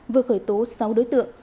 vừa khởi tố sáu đối tượng